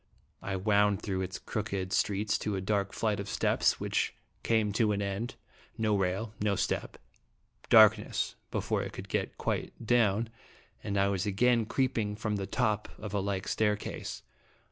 I wound through its crooked streets to a dark flight of steps, which came to an end; no rail, no step, darkness before I could get quite down ; and I was again creep ing from the top of a like staircase.